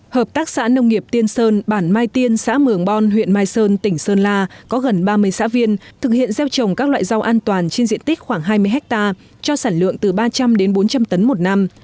hợp tác xã nông nghiệp tiên sơn bản mai tiên xã mường bon huyện mai sơn tỉnh sơn la có gần ba mươi xã viên thực hiện gieo trồng các loại rau an toàn trên diện tích khoảng hai mươi hectare cho sản lượng từ ba trăm linh đến bốn trăm linh tấn một năm